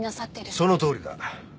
そのとおりだ。